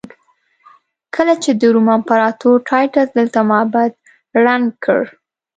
کله چې د روم امپراتور ټایټس دلته معبد ړنګ کړ.